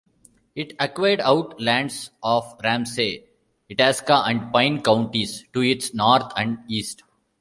It acquired out-lands of Ramsey, Itasca and Pine Counties to its north and east.